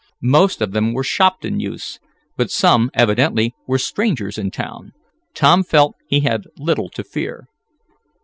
Most of them were Shopton youths, but some, evidently, were strangers in town. Tom felt he had little to fear.